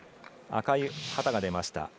赤い旗が出ました。